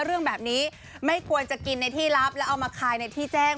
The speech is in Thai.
เรื่องแบบนี้ไม่ควรจะกินในที่ลับแล้วเอามาขายในที่แจ้ง